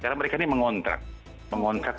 karena mereka ini mengontrak